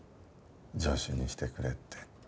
助手にしてくれって。